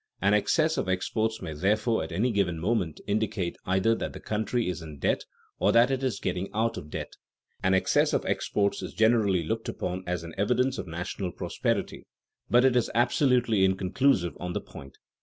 An excess of exports may therefore at any given moment indicate either that the country is in debt or that it is getting out of debt. An excess of exports is generally looked upon as an evidence of national prosperity; but it is absolutely inconclusive on the point.